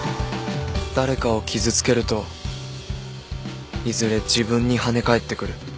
誰かを傷つけるといずれ自分に跳ね返ってくる